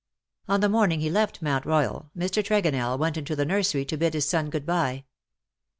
On the morning he left Mount Royal, Mr. Tre gonell went into the nursery to bid his son good bye.